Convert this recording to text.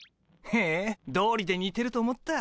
へえどうりでにてると思った。